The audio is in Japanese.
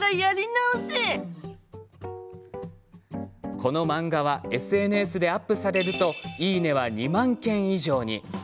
この漫画はＳＮＳでアップされるといいね！は２万件以上に。